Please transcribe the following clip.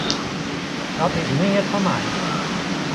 Dat is neat foar my.